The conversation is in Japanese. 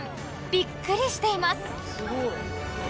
びっくりしています］